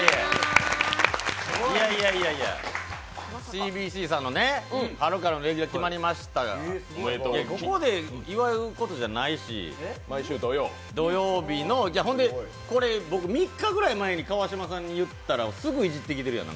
いやいや、ＣＢＣさんの春からのレギュラー決まりましたがここで祝うことじゃないし、土曜日のこれ僕３日ぐらい前に川島さんに言ったらすぐいじってるやん。